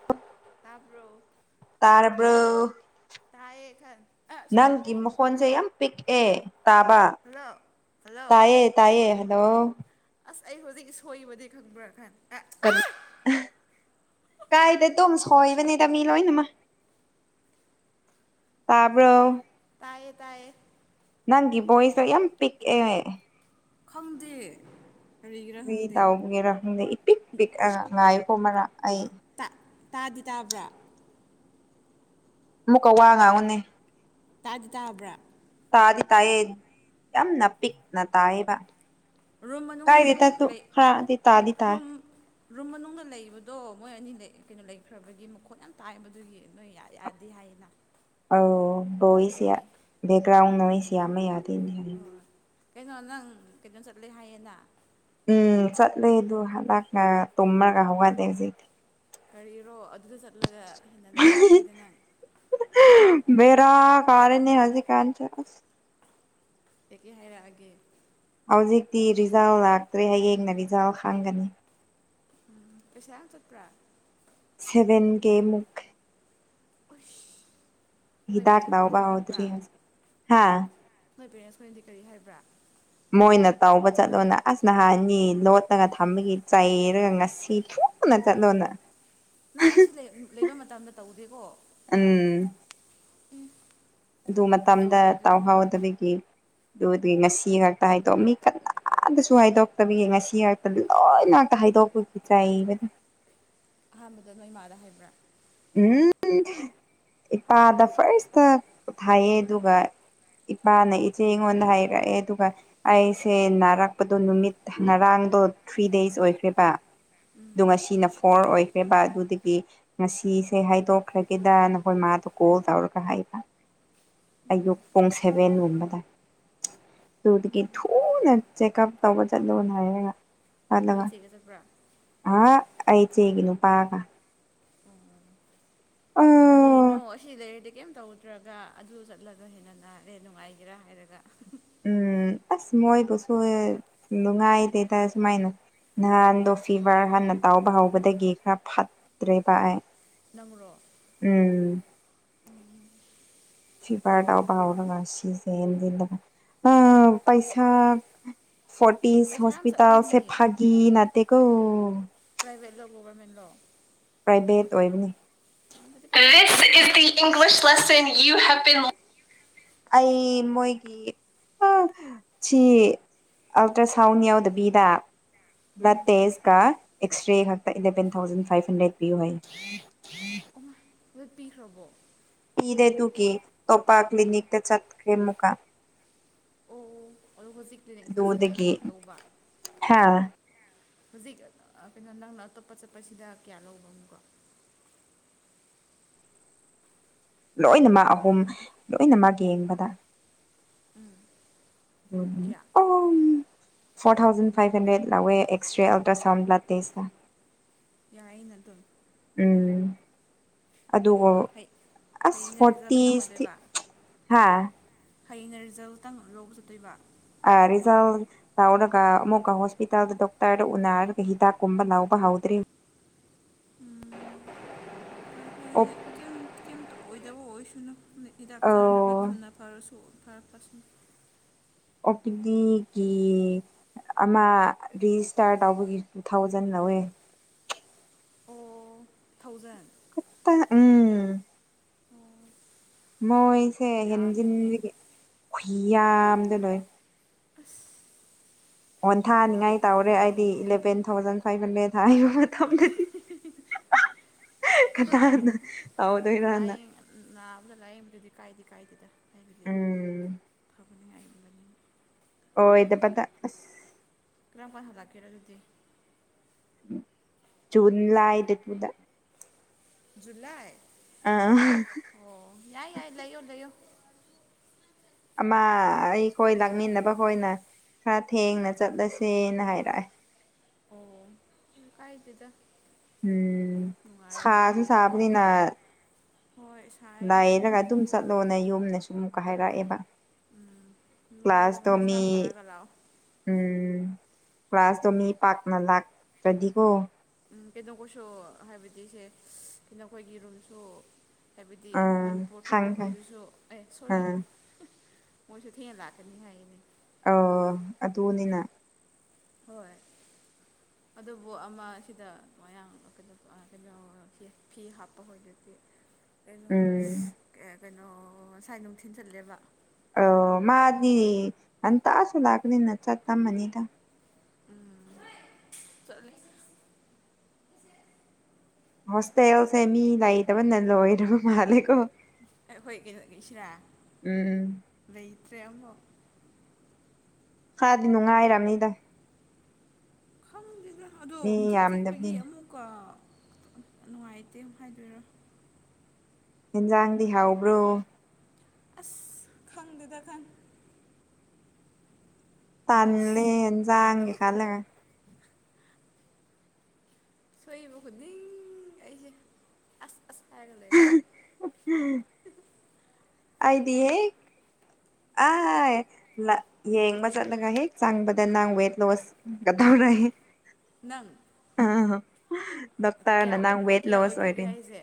[unintelligible] ꯇꯥꯕ꯭ꯔꯣ ꯇꯥꯔꯕ꯭ꯔꯣ ꯇꯥꯏꯌꯦ ꯈ ꯅꯪꯒꯤ ꯃꯈꯣꯟꯁꯦ ꯌꯥꯝ ꯄꯤꯛꯑꯦ ꯇꯥꯕ ꯍꯜꯂꯣ ꯍꯜꯂꯣ ꯇꯥꯏꯌꯦ ꯇꯥꯏꯌꯦ ꯍꯜꯂꯣ ꯑꯁ ꯑꯩ ꯍꯧꯖꯤꯛꯀꯤ ꯁꯣꯏꯕꯗꯤ ꯈꯪꯕ꯭ꯔꯥ ꯈꯟ ꯑꯦ ꯀꯠ ꯑ ꯀꯥꯏꯗ ꯗꯨꯨꯝ ꯁꯣꯏꯕꯅꯤꯗ ꯃꯤ ꯂꯣꯏꯅꯃꯛ ꯇꯥꯕ꯭ꯔꯣ ꯇꯥꯏꯌꯦ ꯇꯥꯏꯌꯦ ꯅꯪꯒꯤ ꯚꯣꯏꯁꯇꯣ ꯌꯥꯝ ꯄꯤꯛꯑꯦꯃꯤ ꯈꯪꯗꯦ ꯀꯔꯤꯒꯤꯔꯥ ꯀꯔꯤ ꯈꯪꯗꯦ ꯇꯧꯒꯦꯔꯥ ꯈꯪꯗꯦ ꯏꯄꯤꯛ ꯄꯤꯛꯑꯒ ꯉꯥꯏꯀꯣ ꯑꯥꯃꯔꯥ ꯑꯩ ꯇꯥ ꯇꯥꯗꯤ ꯇꯥꯕ꯭ꯔꯥ꯫ ꯑꯃꯨꯛꯀ ꯋꯥ ꯉꯥꯡꯉꯨꯅꯦ꯫ ꯇꯥꯗꯤ ꯇꯥꯕ꯭ꯔꯥ꯫ ꯇꯥꯗꯤ ꯇꯌꯦ ꯌꯥꯝꯅ ꯄꯤꯛꯅ ꯇꯥꯏꯌꯦꯕ꯫ ꯔꯨꯝ ꯃꯅꯨꯡꯗ ꯀꯥꯏꯗꯦꯗ ꯑꯗꯨ ꯂꯩ ꯈꯔꯗꯤ ꯇꯥꯗꯤ ꯇꯥꯏ ꯔꯨꯝ꯫ ꯔꯨꯝ ꯃꯅꯨꯡꯗ ꯂꯩꯕꯗꯣ ꯃꯣꯏ ꯑꯅꯤ ꯀꯩꯅꯣ ꯂꯩꯈ꯭ꯔꯕꯒꯤ ꯃꯈꯣꯟ ꯌꯥꯝ ꯇꯥꯏꯕ ꯗꯨꯒꯤ ꯅꯣꯏ ꯌꯥꯗꯦ ꯍꯥꯏꯌꯦꯅ꯫ [unintelligible] ꯑꯧ ꯕꯣꯁꯦ ꯑꯗꯨꯒꯤ ꯕꯦꯛꯒ꯭ꯔꯥꯎꯟ ꯅꯣꯏ꯭ꯁ ꯁꯏ ꯌꯥꯝꯕꯥ ꯌꯥꯗꯣꯏꯅꯦ ꯍꯥꯏ꯫ ꯍꯣꯏ ꯀꯩꯅꯣ ꯅꯪ ꯀꯩꯅꯣ ꯆꯠꯂꯦ ꯍꯥꯏꯌꯦꯅ ꯎꯝ ꯆꯠꯂꯦ ꯑꯗꯨ ꯍꯟꯂꯛꯅ ꯇꯨꯝꯃꯒ ꯍꯧꯒꯠꯂꯦ ꯍꯧꯖꯤꯛꯇꯤ꯫ ꯀꯔꯤꯔꯣ ꯑꯗꯨꯗ ꯆꯠꯂꯒ ꯍꯦꯟꯅ ꯅꯥꯈ꯭ꯔꯦꯗ ꯅꯪ꯫ ꯕꯦꯔꯥ ꯀꯥꯔꯦꯅꯤ ꯍꯧꯖꯤꯛ ꯀꯥꯟꯖꯦ꯫ ꯀꯩ ꯀꯩ ꯍꯥꯏꯔꯛꯑꯒꯦ꯫ ꯍꯧꯖꯤꯛꯇꯤ ꯔꯤꯖꯥꯜ ꯂꯥꯛꯇ꯭ꯔꯦ ꯍꯌꯦꯡꯅ ꯔꯤꯖꯥꯜ ꯈꯪꯒꯅꯤ꯫ ꯎꯝ ꯄꯩꯁꯥ ꯌꯥꯝ ꯆꯠꯄ꯭ꯔꯥ꯫ ꯁꯦꯕꯦꯟ ꯀꯦ ꯃꯨꯛ꯫ ꯎꯏ꯭ꯁ ꯍꯥꯛ ꯂꯎꯕ ꯍꯧꯗ꯭ꯔꯤ ꯍꯧꯖꯤꯛ ꯍꯥ꯫ ꯅꯣꯏ ꯄꯦꯔꯦ꯭ꯟꯁ ꯈꯣꯏꯅꯗꯤ ꯀꯔꯤ ꯍꯥꯏꯕ꯭ꯔꯥ꯫ ꯃꯣꯏꯅ ꯇꯧꯕ ꯆꯠꯂꯣꯅ ꯑꯁ ꯅꯍꯥꯟꯒꯤ ꯂꯣꯠꯠꯇꯒ ꯊꯝꯕꯒꯤ ꯆꯩꯔꯒ ꯉꯁꯤ ꯐꯨ ꯊꯨꯅ ꯆꯠꯂꯣꯅ [unintelligible] ꯅꯪ ꯑꯁꯤ ꯂꯩꯕ ꯃꯇꯝꯗ ꯇꯧꯗꯦꯀꯣ ꯎꯝ ꯎꯝ ꯑꯗꯨ ꯃꯇꯝꯗ ꯇꯥꯎꯍꯥꯎꯗꯕꯒꯤ ꯑꯗꯨꯒꯤ ꯉꯁꯤ ꯉꯥꯛꯇ ꯍꯥꯏꯗꯣ ꯃꯤ ꯀꯥꯝꯅꯥꯝ ꯑꯥꯗꯁꯨ ꯍꯥꯏꯗꯣꯛꯇꯕꯤꯒꯤ ꯉꯁꯤ ꯉꯥꯛꯇ ꯂꯣꯏꯅ ꯉꯥꯛꯇ ꯍꯥꯏꯗꯣꯛꯄꯒꯤ ꯆꯩꯕꯅꯦꯢ ꯑꯍꯥꯟꯕꯗ ꯅꯣꯏꯃꯥꯗ ꯍꯥꯏꯕ꯭ꯔꯥ ꯎꯝ ꯏꯄꯥꯗ ꯐꯥꯔꯁꯇ ꯍꯥꯏꯌꯦ ꯑꯗꯨꯒ ꯏꯄꯥꯅ ꯏꯆꯦ ꯑꯩꯉꯣꯟꯗ ꯍꯥꯏꯔꯛꯑꯦ ꯑꯗꯨꯒ ꯑꯩꯁꯦ ꯅꯥꯔꯛꯄꯗꯣ ꯅꯨꯃꯤꯠ ꯉꯔꯥꯡꯗꯣ ꯊ꯭ꯔꯤ ꯗꯦꯖ ꯑꯣꯏꯈ꯭ꯔꯦꯕ ꯑꯗꯨ ꯉꯁꯤꯅ ꯐꯣꯔ ꯑꯣꯏꯈ꯭ꯔꯦꯕ ꯑꯗꯨꯗꯒꯤ ꯉꯁꯤ ꯁꯤꯁꯦ ꯍꯥꯏꯗꯣꯛꯈ꯭ꯔꯒꯦꯗ ꯑꯩꯈꯣꯏ ꯃꯥꯗꯣ ꯀꯣꯜ ꯇꯧꯔꯒ ꯍꯥꯏꯕ ꯑꯌꯨꯛ ꯄꯨꯡ ꯁꯦꯕꯦꯟꯒꯨꯝꯕꯗ ꯑꯗꯨꯗꯒꯤ ꯊꯨꯅ ꯆꯦꯛꯑꯞ ꯇꯧꯕ ꯆꯠꯂꯣꯅ ꯍꯥꯏꯔꯛꯑꯦ ꯅꯣꯏ ꯍꯜꯂꯒ ꯆꯦꯒ ꯆꯠꯄ꯭ꯔꯥ ꯍꯥ ꯑ ꯑꯩꯆꯦꯒꯤꯅꯨꯄꯥꯥꯒ ꯑ ꯀꯔꯤꯅꯣ ꯑꯁꯤ ꯂꯩꯔꯗꯤ ꯀꯩꯝ ꯇꯧꯗ꯭ꯔꯒ ꯑꯗꯨ ꯆꯠꯂꯒ ꯍꯦꯟꯅ ꯅꯥꯔꯦ ꯅꯨꯡꯉꯥꯏꯒꯦꯔꯥ ꯍꯥꯏꯔꯒ ꯎꯝ ꯑꯁ ꯃꯣꯏꯕꯨꯁꯨ ꯅꯨꯡꯉꯥꯏꯇꯔꯦ ꯁꯨꯃꯥꯏꯅ ꯅꯍꯥꯟꯗꯣ ꯐꯤꯚꯔ ꯍꯥꯟꯅ ꯇꯥꯎꯕ ꯍꯧꯕꯗꯒꯤ ꯈꯔ ꯐꯠꯇ꯭ꯔꯦꯕ ꯑꯩ ꯅꯪꯉꯨꯔꯣ ꯎꯝ ꯐꯤꯚꯔ ꯇꯨꯕ ꯍꯨꯔꯒ ꯁꯤꯖꯟꯖꯤ ꯎ ꯄꯩꯁꯥ ꯐꯣꯔꯇꯤꯁ ꯄꯩꯁꯥ ꯌꯥꯝ ꯍꯣꯁꯄꯤꯇꯥꯜꯁ ꯆꯠꯂꯝꯃꯅꯤ ꯐꯥꯒꯤ ꯅꯠꯇꯦꯀꯣ ꯄ꯭ꯔꯥꯏꯚꯦꯠꯂꯣ ꯒꯣꯕꯔꯃꯦꯟꯂꯣ ꯄ꯭ꯔꯥꯏꯚꯦꯠ ꯑꯣꯏꯕꯅꯤ ꯑꯗꯨꯗꯤ ꯄꯩꯁꯥ ꯆꯠꯂꯝꯃꯅꯤ [unintelligible] ꯑꯩ ꯃꯣꯏꯒꯤꯑ ꯁꯤ ꯑꯜꯇ꯭ꯔ ꯁꯥꯎꯟ ꯌꯥꯎꯗꯕꯤꯗ ꯕ꯭ꯂꯠ ꯎꯝ ꯇꯦꯁꯀ ꯑꯦꯛꯁꯔꯦ ꯈꯛꯇ ꯏꯂꯚꯦꯟ ꯊꯥꯎꯖꯟ ꯐꯥꯏꯚ ꯍꯟꯗ꯭ꯔꯦꯠ ꯄꯤꯌꯨ ꯍꯥꯏ ꯂꯣꯏꯄꯤꯈ꯭ꯔꯕꯣ ꯄꯤꯗꯦ ꯇꯨ ꯀꯦ ꯇꯣꯄꯥ ꯀ꯭ꯂꯤꯅꯤꯛ ꯇ ꯆꯠꯈꯔꯦ ꯑ ꯃꯨꯛꯀ ꯑꯣ ꯑꯗꯣ ꯍꯧꯖꯤꯛꯇꯤꯅꯦ ꯀ꯭ꯂꯤꯅꯤꯛꯁꯤꯗ ꯁꯚꯦꯟ ꯂꯧꯕ ꯍꯥꯥ ꯍꯧꯖꯤꯛ ꯑ ꯀꯩꯅꯣ ꯅꯪꯅ ꯑꯇꯣꯞꯄ ꯆꯠꯄꯁꯤꯗ ꯀꯌꯥ ꯂꯧꯕꯅꯣ ꯑꯀꯨꯛꯀ ꯂꯣꯏꯅꯃꯛ ꯑꯍꯨꯝ ꯂꯣꯏꯅꯃꯛ ꯌꯦꯡꯕꯗ ꯎꯝ ꯀꯌꯥ ꯑꯝ ꯐꯣꯔ ꯊꯥꯎꯖꯟ ꯐꯥꯏꯚ ꯍꯟꯗ꯭ꯔꯦꯗ ꯂꯥꯛꯋꯦ X ray ultrasound blood test ꯌꯥꯏꯅ‌ ꯑꯗꯨꯝ ꯎꯝ ꯑꯗꯨꯒ ꯍꯩ ꯑꯁ ꯍꯌꯦꯡꯅ ꯔꯤꯖꯜ ꯈꯛꯇꯪ ꯐꯔꯣꯇꯤꯁꯇꯤ ꯍꯥ ꯐꯪꯅ ꯔꯤꯖꯜꯇꯪ ꯂꯧꯕ ꯆꯠꯇꯣꯏꯕ ꯑ ꯔꯤꯖꯜ ꯇꯥꯎꯔꯒ ꯑꯃꯨꯛꯀ ꯍꯣꯁꯄꯤꯇꯥꯜꯗ ꯗꯣꯛꯇꯔꯗ ꯎꯅꯔꯒ ꯍꯤꯗꯥꯛꯀꯨꯝꯕ ꯂꯥꯎꯕ ꯍꯧꯗ꯭ꯔꯤ ꯎꯝ ꯐꯔꯦ ꯐꯔꯦ ꯑꯗꯨꯗꯤ ꯀꯩꯝ ꯀꯩꯝꯇ ꯑꯣꯏꯗꯕ ꯑꯣꯏꯁꯅꯨ ꯍꯤꯗꯥꯛ ꯆꯥꯔꯒ ꯑꯣ ꯊꯨꯅ ꯐꯔꯁꯨ ꯐꯔꯛꯄꯁꯨ ꯑꯣꯄꯤ ꯇꯤꯀꯤꯗꯤ ꯑꯃ ꯔꯤꯖꯤꯁꯇꯥꯔ ꯇꯧꯕꯒꯤ ꯇꯨ ꯊꯥꯎꯖꯟ ꯂꯧꯋꯦ ꯑꯣ ꯊꯥꯎꯖꯟ ꯇꯥ ꯎꯝ ꯑꯣ ꯃꯣꯏꯁꯦ ꯌꯥꯝꯃꯦꯅꯦ ꯍꯦꯟꯖꯤꯟꯕꯒꯤ ꯈꯨꯌꯥꯝꯗꯤ ꯂꯣꯏ ꯑꯁ ꯑꯣꯟꯊꯥꯅꯤꯉꯥꯏ ꯄ꯭ꯔꯥꯏꯚꯦꯠ ꯇꯧꯔꯦ ꯑꯩꯗꯤ ꯑꯣꯏꯕꯅꯤꯅ ꯏꯂꯚꯦꯟ ꯊꯥꯎꯖꯟ ꯐꯥꯏꯚ ꯍꯟꯗ꯭ꯔꯦꯠ ꯊꯝꯗꯗꯤ ꯉꯟꯇꯥꯅ ꯇꯧꯗꯣꯏꯔꯅ ꯅꯥꯕꯒ ꯂꯥꯏꯌꯦꯡꯕꯗꯨꯗꯤ ꯀꯥꯏꯗꯤ ꯀꯥꯏꯗꯦꯗ ꯑꯩꯕꯨꯗꯤ ꯎꯝ ꯇꯧꯅꯤꯡꯉꯥꯏ ꯑꯣꯏ ꯗꯕꯗ ꯑꯁ ꯀꯔꯝ ꯀꯥꯟ ꯍꯜꯂꯛꯀꯦꯔ ꯑꯗꯨꯗꯤ ꯖꯨꯟ ꯂꯥꯏ ꯇꯥꯇꯨꯅ ꯖꯨꯂꯥꯏ ꯑꯥ ꯑꯣ ꯌꯥꯏ ꯌꯥꯏ ꯂꯩꯌꯣ ꯂꯩꯌꯣ ꯑꯃ ꯑꯩꯈꯣꯏ ꯂꯥꯛꯃꯤꯟꯅ ꯈꯣꯏꯅ ꯈꯔ ꯊꯦꯡꯅ ꯆꯠꯂꯁꯦꯅ ꯍꯥꯏꯔꯛꯑꯦ ꯑꯣ ꯀꯩꯝ ꯀꯥꯏꯗ‌ꯦꯗ ꯎꯝ ꯅꯨꯡꯉꯥꯏꯔꯗꯤ ꯁꯥꯁꯨ ꯀꯩꯅꯣ ꯇꯧꯔꯗꯤ ꯁꯥꯕꯅꯤꯅ ꯍꯣꯏ ꯁꯥꯏꯌꯦ ꯂꯥꯏꯔꯒ ꯑꯗꯨꯝ ꯆꯠꯂꯣꯅ ꯌꯨꯝꯅ ꯁꯨ ꯑꯃꯨꯛꯀ ꯍꯥꯏꯔꯛꯑꯦꯕ ꯎꯝ ꯅꯣꯏꯔꯒ ꯀ꯭ꯂꯥꯁꯇꯣ ꯃꯤ ꯅꯁꯥ ꯐꯔꯒ ꯂꯥꯛꯑꯣ ꯎꯝ ꯀ꯭ꯂꯥꯁꯇꯣ ꯃꯤ ꯄꯥꯛꯅ ꯂꯥꯛꯇ꯭ꯔꯗꯤꯀꯣ ꯎꯝ ꯀꯩꯊꯧꯈꫭꯏꯁꯨ ꯍꯥꯏꯕꯗꯤ ꯁꯦ ꯀꯩꯅꯣꯈꯣꯏꯒꯤ ꯔꯨꯝꯁꯨ ꯍꯥꯏꯕꯗꯤ ꯑꯥ ꯃꯅꯤꯄꯨꯔ ꯈꯪ ꯊꯣꯛꯄ ꯈꯪ ꯈꯣꯏꯗꯨꯁꯨ ꯑꯦ ꯁꯣꯔꯤ ꯑꯥ ꯃꯣꯏꯁꯨ ꯊꯦꯡꯅ ꯂꯥꯛꯀꯅꯤ ꯍꯥꯏꯌ‌ꯦꯅ‌ꯦ ꯑꫭ ꯑꯗꯨꯅꯤꯅ ꯍꯣꯏ ꯑꯗꯨꯕꯨ ꯑꯃ ꯁꯤꯗ ꯃꯌꯥꯡ ꯀꯩꯅꯣ ꯀꯩꯅꯣ ꯐꯤ ꯍꯥꯞꯄ ꯍꫭꯏꯗꯨꯗꯤ ꯀꯩꯅꯣ ꯎꯝ ꯀꯩꯅꯣ ꯉꯁꯥꯏ ꯅꯨꯡꯊꯤꯟ ꯆꯠꯂꯦꯕ ꯑꫭ ꯃꯥꯗꯤ ꯉꯟꯇꯥꯁꯨ ꯂꯥꯛꯀꯅꯤꯅ ꯆꯠ ꯇꯝꯃꯅꯤꯗ ꯎꯝ ꯆꯠꯅꯤ ꯍꯣꯁꯇꯦꯜꯁꯦ ꯃꯤ ꯂꯩꯇꯕꯅ ꯂꯣꯏꯔꯕ ꯃꯥꯜꯂꯦꯀꯣ ꯍꯈꯣꯏ ꯀꯩꯅꫭꯒꯤꯁꯤꯔꯥ ꯎꯝ ꯂꯩꯇ꯭ꯔꯦ ꯑꯝꯕꯧ ꯈꯔꯗꯤ ꯅꯨꯡꯉꯥꯏꯔꯝꯅꯤꯗ ꯈꯪꯗꯦꯗ ꯑꯗꯣ ꯃꯤ ꯏꯆꯤꯛ ꯆꯤꯛꯄꯒꯤ ꯌꯥꯝꯗꯕꯅꯤꯅ ꯑꯃꯨꯛꯀ ꯅꯨꯡꯉꯥꯏꯇꯦ ꯍꯥꯏꯗꯣꯏꯔꯥ ꯍꯤꯟꯖꯥꯡꯗꯤ ꯍꯥꯎꯕ꯭ꯔꯣ ꯑꯁ ꯈꯪꯗ‌ꯦꯗ ꯈꯪ ꯑꯁ ꯇꯥꯜꯂ‌ꯦ ꯍ‌ꯦꯟꯖꯥꯡꯒꯤ ꯈꯜꯂꯒ ꯁꯣꯏꯏꯕ ꯈꯨꯗꯤꯡ ꯑꯩꯁꯦ ꯑꯁ ꯑꯁ ꯍꯥꯏꯔꯒ ꯂꯩꯔꯦ ꯑꯗꯤ ꯑꯦ ꯑꯥ ꯌꯦꯡꯕ ꯆꯠꯂꯒ ꯍꯦꯛ ꯆꯪꯕꯗ ꯅꯪ ꯋꯦꯠ ꯂꯣꯁꯀꯗꯧꯔꯦ ꯅꯪ ꯑꯥ ꯀꯌꯥ ꯗꯣꯛꯇꯔ ꯑꯣꯏ ꯅꯪ ꯀꯌꯥ ꯋꯦꯠꯂꯣꯁ ꯑꯣꯏꯔꯤ ꯑꯣꯏꯈ꯭ꯔꯒꯦ ꯍꯥꯏꯁꯦ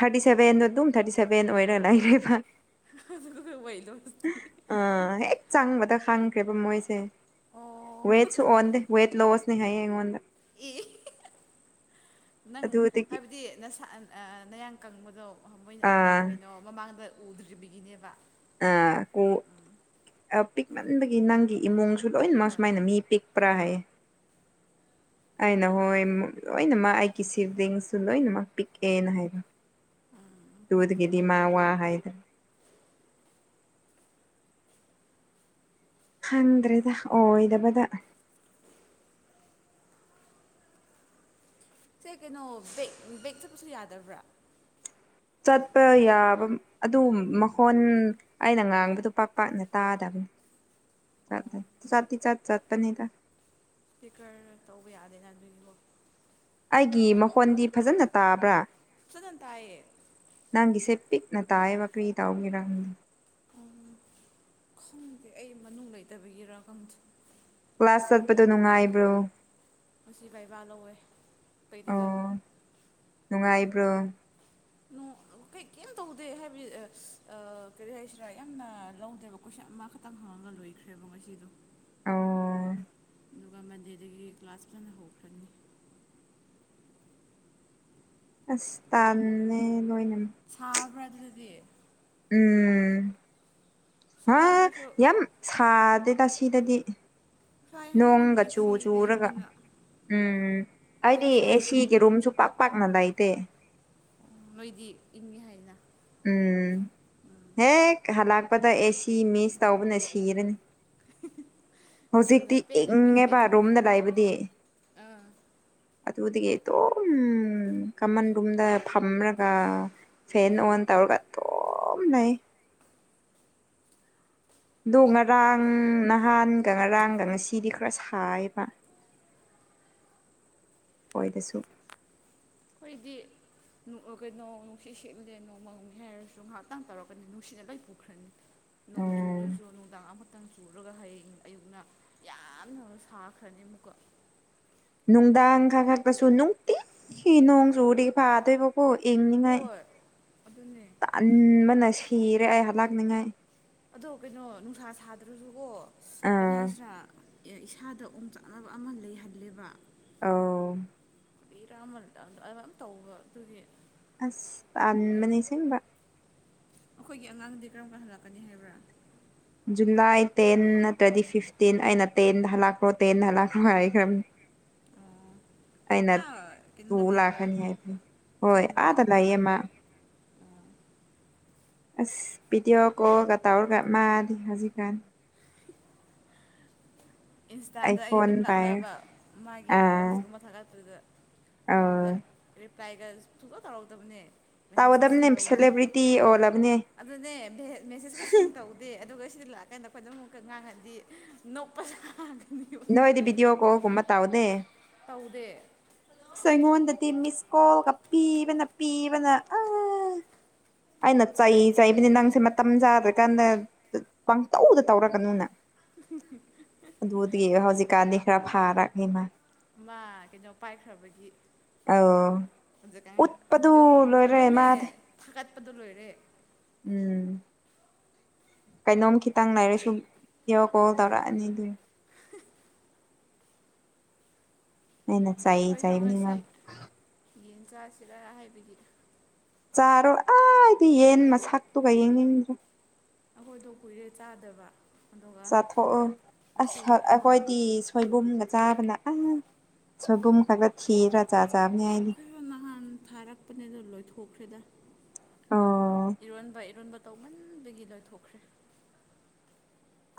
ꯊꯥꯔꯇꯤ ꯁꯦꯚꯦꯟ ꯃꯇꯨꯡ ꯊꯥꯔꯇꯤ ꯁꯦꯚꯦꯟ ꯑꯣꯏꯔꯒ ꯂꯩꯔꯦꯕ ꯋꯦꯠꯂꯣꯁ ꯇꯤ ꯑ ꯍꯦꯛ ꯆꯥꯡꯕꯗ ꯈꯥꯡꯈ꯭ꯔꯦꯕ ꯃꯣꯏꯁꯦ ꯑꯣ ꯋꯦꯠꯁꯨ ꯑꯣꯟ ꯗꯦ ꯋꯦꯠ ꯂꯣꯁꯅꯤ ꯍꯥꯏꯌꯦ ꯑꯩꯉꯣꯟꯗ ꯏ ꯅꯪ ꯑꯗꯨꯗꯒꯤ ꯍꯥꯏꯕꯗꯤ ꯅꯁꯥ ꯑꯥ ꯅꯌꯥꯡ ꯀꯪꯕꯗꯣ ꯑꯣ ꯃꯣꯏꯅ ꯑꯥ ꯀꯩꯅꯣ ꯃꯃꯥꯡꯗ ꯎꯗ꯭ꯔꯤꯕꯒꯤꯅꯦꯕ ꯑꯥ ꯀꯨ ꯎꯝ ꯄꯤꯛꯃꯟꯕꯒꯤ ꯅꯪꯒꯤ ꯏꯃꯨꯡꯁꯨ ꯂꯣꯏꯅꯃꯛ ꯍꯣꯏ ꯁꯨꯃꯥꯏꯅ ꯃꯤ ꯄꯤꯛ ꯄ꯭ꯔ ꯍꯥꯏꯌꯦ [inaudible] ꯑꯩꯅ ꯍꯣꯏ ꯂꯣꯏꯅꯃꯛ ꯑꯩꯒꯤ ꯁꯤꯕꯂꯤꯡꯁꯨ ꯂꯣꯏꯅꯃꯛ ꯄꯤꯛꯑꯦꯅ ꯍꯥꯏꯕ ꯎꯝ ꯗꯨꯗꯒꯤꯗꯤ ꯃꯥ ꯋꯥ ꯍꯥꯏꯗꯔꯦ ꯈꯪꯗ꯭ꯔꯦꯗ ꯑꯣꯏꯗꯕꯗ ꯁꯦ ꯀꯩꯅꯣ ꯕꯦꯛ ꯕꯦꯛ ꯆꯠꯄꯁꯨ ꯌꯥꯗꯕ꯭ꯔꯥ ꯆꯠꯄ ꯌꯥꯕ ꯑꯗꯨ ꯃꯈꯣꯟ ꯑꯩꯅ ꯉꯥꯡꯕꯗꯣ ꯄꯥꯛ ꯄꯥꯛꯅ ꯇꯥꯗꯕꯅꯤ ꯑꯣ ꯆꯠꯂ ꯆꯠꯇꯤ ꯆꯠ ꯆꯠꯄꯅꯤꯗ ꯄꯤꯀꯔ ꯇꯧꯕ ꯌꯥꯗꯦꯅ ꯑꯗꯨꯒꯤꯒꯣ ꯑꯩꯒꯤ ꯃꯈꯣꯟꯗꯤ ꯐꯖꯅ ꯇꯥꯕ꯭ꯔꯥ ꯐꯖꯟ ꯇꯥꯏꯌꯦ ꯅꯪꯒꯤꯁꯦ ꯄꯤꯛꯅ ꯇꯥꯏꯌꯦꯕ ꯀꯔꯤ ꯇꯧꯕꯒꯤꯔꯥ ꯈꯪꯗꯦ ꯎꯝ ꯈꯪꯗꯦ ꯑꯩ ꯃꯅꯨꯡ ꯂꯩꯇꯕꯒꯤꯔꯥ ꯈꯡꯗꯦ ꯀ꯭ꯂꯥꯁ ꯆꯠꯄꯗꯣ ꯅꯨꯡꯉꯥꯏꯕ꯭ꯔꯣ ꯉꯁꯤ ꯕꯥꯏꯕꯥ ꯂꯧꯋꯦ ꯄꯔ꯭ꯦꯛꯇꯤꯀꯜ ꯑꯣ ꯅꯨꯡꯉꯥꯏꯕ꯭ꯔꯣ ꯅꯨ ꯀꯩ ꯀꯩꯝ ꯇꯧꯗꯦ ꯍꯥꯏꯕꯗꯤ ꯑ ꯀꯔꯤ ꯍꯥꯏꯁꯤꯔꯥ ꯌꯥꯝꯅ ꯂꯧꯗꯦꯕ ꯀꯣꯏꯁꯟ ꯑꯃꯈꯛꯇꯪ ꯍꯪꯉꯒ ꯂꯣꯏꯈ꯭ꯔꯦꯕ ꯉꯁꯤꯗꯣ ꯑꯣ ꯗꯨꯒ ꯃꯟꯗꯦꯗꯒꯤ ꯀ꯭ꯂꯥꯁ ꯐꯖꯅ ꯍꯧꯈ꯭ꯔꯅꯤ ꯑꯁ ꯇꯥꯟꯂꯦ ꯂꯣꯏꯅ ꯁꯥꯕ꯭ꯔꯥ ꯗꯨꯗꯗꯤ ꯎꯝ ꯍꯥ ꯁꯥꯏ ꯍꯥꯏꯔꯁꯨ ꯌꯥꯝ ꯁꯥꯗꯦꯗ ꯁꯤꯗꯗꯤ ꯁꯥꯏ ꯍꯥꯏꯔꯁꯨ ꯅꯣꯏꯗꯤ ꯅꯣꯡꯒ ꯆꯨ ꯑꯦꯁꯤ ꯆꯨꯔꯒ ꯂꯩꯕꯅꯤꯅ ꯎꯝ ꯑꯩꯗꯤ ꯑꯩꯈꯣꯏꯗꯤ ꯁꯤꯗ ꯑꯦꯁꯤꯒꯤ ꯔꯨꯝꯁꯨ ꯄꯥꯛ ꯄꯥꯛꯅ ꯂꯩꯇꯦ ꯅꯣꯏꯗꯤ ꯏꯪꯉꯤ ꯍꯥꯏꯅ ꯎꯝ ꯎꯝ ꯍꯦꯛ ꯍꯜꯂꯛꯄꯗ ꯑꯦꯁꯤ ꯃꯤꯁ ꯇꯧꯕꯅ ꯁꯤꯔꯅꯤ [inaudible] ꯑꯗꯨꯅ ꯍꯨꯖꯤꯛꯇꯤ ꯄꯦꯟꯅ ꯀꯨꯏꯅ ꯏꯪꯉꯦꯕ ꯂꯩꯊꯣꯛꯑꯣ ꯔꯨꯝꯗ ꯂꯩꯕꯗꯤ ꯑꯥ ꯑꯗꯨꯗꯒꯤ ꯑꯗꯨꯝ ꯀꯃꯟ ꯔꯨꯝꯗ ꯐꯝꯔꯒ ꯐꯦꯟ ꯑꯣꯟ ꯇꯧꯔꯒ ꯗꯨꯝ ꯂꯩ ꯗꯣ ꯉꯔꯥꯡ ꯅꯍꯥꯟꯒ ꯉꯔꯥꯡꯒ ꯉꯁꯤꯗꯤ ꯈꯔ ꯁꯥꯏꯌꯦꯕ [inaudible] ꯑꯣꯏꯗꯁꯨ ꯈꯣꯏꯗꯤ ꯅꯨ ꯑ ꯀꯩꯅꯣ ꯅꯨꯡꯁꯤꯠ ꯁꯤꯠꯂꯦ ꯅꯣꯡ ꯃꯡꯉꯦ ꯍꯥꯏꯔꯁꯨ ꯉꯥꯏꯍꯥꯛꯇꯪ ꯇꯧꯔꯛꯀꯅꯤ ꯅꯨꯡꯁꯤꯠꯅ ꯂꯣꯏ ꯄꯨꯈ꯭ꯔꯅꯤ ꯅꯣꯡ ꯎꯝ ꯆꯨꯕꯗꯨꯁꯨ ꯅꯨꯡꯗꯥꯡ ꯑꯃ ꯈꯤꯇꯪ ꯆꯨꯔꯒ ꯍꯌꯦꯡ ꯑꯌꯨꯛꯅ ꯌꯥꯝꯅ ꯁꯥꯈ꯭ꯔꯅꯤ ꯑꯃꯨꯛꯀ ꯅꯨꯡꯗꯥꯡ ꯈꯛ ꯈꯛꯇꯁꯨ ꯅꯨꯡꯇꯤꯒꯤ ꯅꯣꯡ ꯆꯨꯔꯗꯤ ꯐꯥꯗꯣꯏꯕ ꯀꯣ ꯏꯪꯅꯤꯡꯉꯥꯏ ꯍꯣꯏ ꯑꯗꯨꯅꯦ ꯇꯟꯕꯅ ꯁꯤꯔꯦ ꯑꯩ ꯍꯂꯛꯅꯤꯡꯉꯥꯏ ꯑꯗꯣ ꯀꯩꯅꯣ ꯅꯨꯡꯁꯥ ꯁꯥꯗ꯭ꯔꯁꯨꯀꯣ ꯀꯔꯤ ꯑꯥ ꯍꯥꯏꯁꯦꯔꯥ ꯏꯁꯥꯗ ꯎꯝꯆꯥꯛꯅꯕ ꯑꯃ ꯂꯩ ꯍꯥꯏꯑꯦꯕ꯫ ꯑꯥꯎ ꯏꯔꯥꯃꯜꯗ ꯑꯗꯨꯃꯥꯏ ꯇꯧꯕ ꯑꯗꯨꯒꯤ꯫ ꯑꯁ ꯇꯟꯕꯅꯤ ꯁꯤꯟꯕ꯫ ꯑꯩꯈꯣꯏꯒꯤ ꯑꯉꯥꯡꯗꯤ ꯀꯔꯝ ꯀꯥꯟ ꯍꯜꯂꯛꯀꯅꯤ ꯍꯥꯏꯕ꯭ꯔꯥ꯫ ꯖꯨꯂꯥꯏ ꯇꯦꯟ ꯅꯠꯇ꯭ꯔꯗꯤ ꯐꯤꯐꯇꯤꯟ ꯑꯩꯅ ꯇꯦꯟꯗ ꯍꯜꯂꯛꯈ꯭ꯔꯣ ꯇꯦꯟꯗ ꯍꯜꯂꯛꯈ꯭ꯔꯣ ꯍꯥꯏꯈ꯭ꯔꯅꯤ꯫ ꯑꯣ ꯑꯩꯅ ꯑꯥ ꯇꯨ ꯀꯩꯅꯣꯗ ꯂꯩꯕ꯭ꯔꯥ ꯂꯥꯛꯀꯅꯤ ꯍꯥꯏꯕꯅꯤ ꯍꯣꯏ ꯆꯤꯡꯗ ꯑꯥꯗ ꯂꯩꯕ꯭ꯔꯥ ꯂꯥꯛꯌꯦ ꯃꯥ꯫ ꯑꯁ ꯚꯤꯗꯤꯑꯣ ꯀꯣꯜꯒ ꯇꯧꯔꯒ ꯃꯥꯗꯤ ꯍꯧꯖꯤꯛꯀꯥꯟ ꯏꯟꯁꯇꯥꯗ ꯑꯩ ꯑꯥꯏꯐꯣꯟ ꯑꯗꯨꯝ ꯄꯥꯏꯔ ꯂꯥꯛꯅꯕ ꯃꯥꯒꯤ ꯑꯥ ꯄꯣꯁꯀꯨꯝꯕ ꯊꯥꯒꯠꯄꯗꯨꯗ꯫ ꯑꯥ ꯑꯗꯨꯗ ꯔꯤꯄ꯭ꯂꯥꯏꯒ ꯁꯨꯡꯇꯧ ꯇꯧꯔꯛꯗꯕꯅꯦ꯫ ꯃꯦꯁꯦꯖꯀ ꯁꯤꯟ ꯇꯧꯒꯗꯕꯅꯦ ꯇꯧꯗꯦ ꯁꯦꯂꯦꯕ꯭ꯔꯤꯇꯤ ꯑꯣꯜꯂꯕꯅꯦ ꯑꯗꯨꯅꯦ ꯕꯦꯠ ꯃꯦꯁꯦꯖꯀ ꯁꯤꯟ ꯇꯧ ꯗꯦ ꯑꯗꯨꯒ ꯁꯤꯗ ꯂꯥꯛꯑꯀꯥꯟꯗ ꯑꯩꯈꯣꯏ ꯑꯗꯨꯝ ꯑꯃꯨꯛꯀ ꯉꯥꯡꯍꯟꯗꯤ ꯅꯣꯛꯄꯗ ꯅꯣꯏꯗꯤ ꯕꯤꯗꯤꯑꯣ ꯀꯣꯒꯨꯝꯕ ꯇꯧꯗꯦ꯫ ꯇꯧꯗꯦ꯫ ꯑꯩꯉꯣꯟꯗꯗꯤ ꯃꯤꯁ ꯀꯣꯜꯒ ꯄꯤꯕꯅ ꯄꯤꯕꯅ ꯑ ꯑꯩꯅ ꯆꯩ ꯆꯩꯕꯅꯤ ꯅꯪꯁꯦ ꯃꯇꯝ ꯆꯥꯗ꯭ꯔꯀꯥꯟꯗ ꯄꯪꯇꯧꯗ ꯇꯧꯔꯛꯀꯅꯨꯅ꯫ [unintelligible] ꯑꯗꯨꯗꯤ ꯍꯧꯖꯤꯛ ꯀꯥꯟꯅꯤ ꯈꯔ ꯐꯥꯔꯛꯅꯤ ꯃꯥ ꯃꯥ ꯀꯩꯅꯣ ꯄꯥꯏꯈ꯭ꯔꯕꯒꯤ꯫ ꯑꯧ ꯍꯧꯖꯤꯛꯀꯟ ꯎꯠꯄꯗꯨ ꯕꯤꯗꯤꯑꯣ ꯂꯣꯏꯔꯦ ꯑꯗꯨꯅꯦ ꯃꯥꯗꯤ ꯊꯥꯒꯠꯄꯗꯣ ꯂꯣꯏꯔꯦ ꯎꯝ ꯀꯩꯅꯣꯝ ꯈꯤꯇꯪ ꯂꯩꯔꯁꯨꯨꯝ ꯕꯤꯗꯤꯑꯣ ꯑꯣ ꯀꯣꯜ ꯇꯧꯔꯛꯑꯅꯤ ꯑꯗꯨꯝ ꯑꯩꯅ ꯆꯩ ꯑꯩꯁꯨ ꯆꯩꯕꯅꯤ ꯃꯥ ꯉꯁꯤ ꯌꯦꯟ ꯆꯥꯁꯤꯔ ꯍꯥꯏꯕꯒꯤ ꯆꯥꯔꯣ ꯑꯩꯗꯤ ꯌꯦꯟ ꯃꯁꯛꯇꯨꯒ ꯌꯦꯡꯅꯤꯡꯗ꯭ꯔꯦ꯫ ꯑꯩꯈꯣꯏꯗꯣ ꯀꯨꯏꯔꯦ ꯆꯥꯗꯕ꯫ ꯑꯗꯨꯒ ꯆꯥꯊꯣꯛꯎ ꯉꯁꯤ ꯑꯁ ꯑꯃ ꯑꯩꯈꯣꯏꯗꯤ ꯁꯣꯏꯕꯨꯝꯒ ꯆꯥꯕꯅ ꯑ ꯁꯣꯏꯕꯨꯝ ꯈꯛꯇ ꯊꯤꯔ ꯆꯥ ꯆꯥꯕꯅꯤ ꯑꯩꯗꯤ꯫ ꯑꯩꯁꯨ ꯅꯍꯥꯟ ꯊꯥꯔꯛꯄꯅꯦ ꯑꯗꯣ ꯂꯣꯏꯊꯣꯛꯈ꯭ꯔꯦꯗ ꯑꯣ ꯏꯔꯣꯟꯕ ꯏꯔꯣꯟꯕ꯫ ꯇꯧꯃꯟꯕꯒꯤ ꯂꯣꯏꯊꯣꯛꯈ꯭ꯔꯦ꯫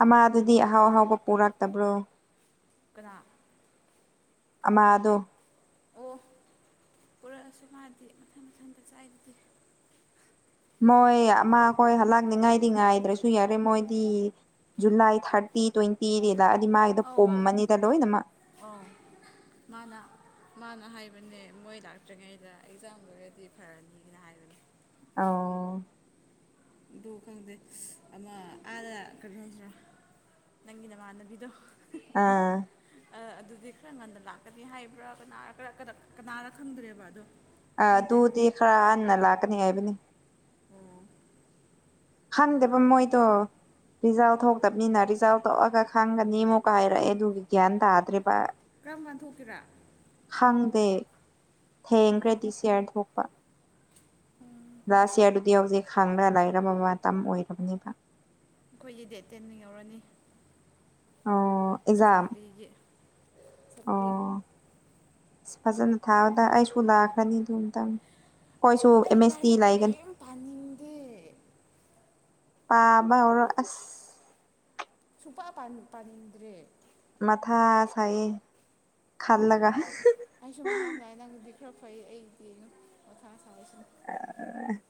ꯑꯃꯥꯗꯨꯗꯤ ꯑꯍꯥꯎ ꯑꯍꯥꯎꯕ ꯄꯨꯔꯛꯇꯕ꯭ꯔꯣ꯫ ꯀꯅꯥ ꯑꯃꯥꯗꯣ ꯑꯣ ꯄꯨꯔꯛꯑꯁꯨ ꯃꯥꯗꯤ ꯃꯊꯟ ꯃꯊꯟꯇ ꯆꯥꯏꯗꯨꯗꯤ꯫ ꯃꯣꯏ ꯑꯃ ꯈꯣꯏ ꯍꯜꯂꯥꯛꯅꯤꯡꯉꯥꯏꯗꯤ ꯉꯥꯏꯗ꯭ꯔꯁꯨ ꯌꯥꯔꯦ ꯃꯣꯏꯗꯤ꯫ ꯖꯨꯂꯥꯏ ꯊꯥꯔꯇꯤ ꯇ꯭ꯋꯦꯟꯇꯤꯗꯤ ꯍꯦꯜꯂꯥꯛꯑꯗꯤ ꯃꯥꯒꯤꯗꯣ ꯄꯨꯝꯃꯅꯤꯗ ꯂꯣꯏꯅꯃꯛ꯫ ꯑꯣ ꯃꯥꯅ ꯃꯥꯅ ꯍꯥꯏꯕꯅꯦ ꯃꯣꯏ ꯂꯥꯛꯇ꯭ꯔꯤꯉꯩꯗ ꯑꯦꯛꯖꯥꯡ ꯂꯣꯏꯔꯗꯤ ꯐꯔꯅꯤꯅ ꯍꯥꯏꯕꯅꯦ꯫ ꯑꯥꯎ ꯑꯗꯨ ꯈꯪꯗꯦ ꯑꯃ ꯑꯥꯗ ꯀꯩꯅꯣꯗꯨꯔꯣ꯫ ꯅꯪꯒꯤ ꯅꯃꯥꯟꯅꯕꯤꯗꯣ꯫ ꯑꯥ ꯑꯥ ꯑꯗꯨꯗꯤ ꯈꯔ ꯉꯟꯅ ꯂꯥꯛꯀꯗꯤ ꯍꯥꯏꯕ꯭ꯔꯥ ꯀ ꯀꯅꯥꯅ ꯈꯪꯗ꯭ꯔꯦꯕ ꯑꯗꯣ꯫ ꯑ ꯈꯪꯗꯦ ꯑꯗꯨꯗꯤ ꯈꯔ ꯍꯟꯅ ꯂꯥꯛꯀꯅꯤ ꯍꯥꯏꯕꯅꯤ꯫ ꯑꯣ ꯈꯪꯗꯦꯕ ꯃꯥꯜꯂꯦ ꯃꯣꯏꯗꯣ ꯔꯤꯖꯥꯜ ꯊꯣꯛꯇꯕꯅꯤꯅ ꯔꯤꯖꯥꯜ ꯇ ꯊꯣꯛꯑꯒ ꯈꯪꯒꯅꯤ ꯑꯃꯨꯛꯀ ꯍꯥꯏꯔꯛꯑꯦ ꯑꯗꯨꯒꯤ ꯒ꯭ꯌꯥꯟ ꯇꯥꯗ꯭ꯔꯤꯕ ꯀꯔꯝ ꯀꯥꯟ ꯊꯣꯛꯀꯦꯔꯥ ꯈꯪꯗꯦ ꯍꯥꯌꯦꯡꯈ꯭ꯔꯗꯤ ꯁꯤꯌꯥꯔ ꯊꯣꯛ ꯂꯥꯁ ꯏꯔꯗꯨꯗꯤ ꯍꯧꯖꯤꯛ ꯈꯥꯡꯔꯒꯥ ꯂꯩꯔꯥꯕ ꯃꯇꯝ ꯑꯣꯏꯔꯕꯅꯦꯕ ꯑꯩꯈꯣꯏꯒꯤ ꯗꯦꯠ ꯇꯦꯟ ꯌꯧꯔꯅꯤ ꯑꯣ ꯑꯦꯖꯝ ꯁꯄ꯭ꯂꯤꯒꯤ ꯁꯄ꯭ꯂꯤ ꯑꯣ ꯐꯖꯅ ꯊꯥꯕꯗ ꯑꯩꯁꯨ ꯂꯥꯛꯈ꯭ꯔꯅꯤ ꯑꯗꯨ ꯃꯇꯝꯗ ꯑꯩ ꯂꯥꯏꯔꯤꯛ ꯀꯔꯤꯝ ꯄꯥꯅꯤꯡꯗꯦ ꯄꯥꯕ ꯍꯧꯔꯣ ꯑꯁ ꯁꯨꯡꯄꯥ ꯄꯥꯟ ꯄꯥꯅꯤꯡꯗ꯭ꯔꯦ ꯃꯊꯥ ꯁꯥꯏꯍꯦ ꯈꯜꯂꯒ ꯑꯩꯁꯨ ꯃꯊꯥ ꯁꯥꯏ ꯅꯪꯕꯨꯗꯤ ꯈꯔ ꯐꯩ ꯑꯩꯗꯤ ꯃꯊꯥ ꯁꯥꯏꯁꯤ [unintelligible]